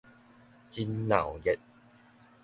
真鬧熱